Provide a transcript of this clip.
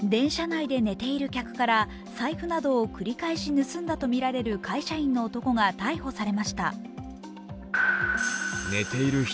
電車内で寝ている客から財布などを繰り返し盗んだとみられる会社員の男が逮捕されました。